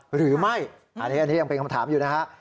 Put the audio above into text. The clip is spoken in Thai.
หรือไม่อันนี้ยังเป็นคำถามอยู่นะฮะ